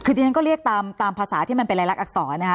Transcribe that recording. คือที่ฉันก็เรียกตามภาษาที่มันเป็นรายลักษรนะคะ